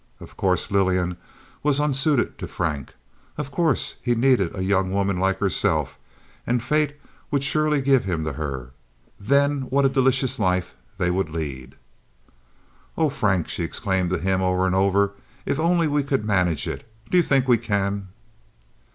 Of course Lillian was unsuited to Frank; of course he needed a young woman like herself, and fate would surely give him to her. Then what a delicious life they would lead! "Oh, Frank," she exclaimed to him, over and over, "if we could only manage it. Do you think we can?"